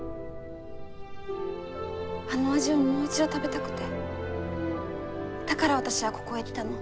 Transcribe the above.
あの味をもう一度食べたくてだから私はここへ来たの。